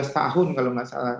dua belas tahun kalau tidak salah